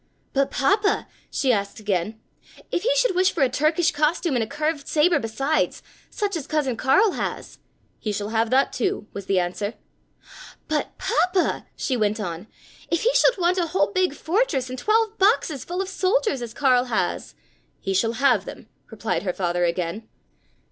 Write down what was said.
"But, Papa," she asked again, "if he should wish for a Turkish costume and a curved saber besides, such as Cousin Karl has?" "He shall have that too!" was the answer. "But, Papa," she went on, "if he should want a whole big fortress and twelve boxes full of soldiers, as Karl has?" "He shall have them!" replied her father again.